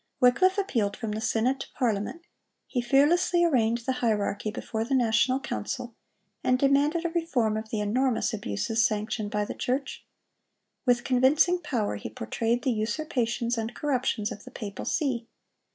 Wycliffe appealed from the synod to Parliament; he fearlessly arraigned the hierarchy before the national council, and demanded a reform of the enormous abuses sanctioned by the church. With convincing power he portrayed the usurpations and corruptions of the papal see.